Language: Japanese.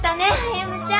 歩ちゃん。